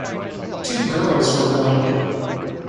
Two girls were born.